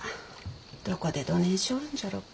どこでどねんしょうるんじゃろうか。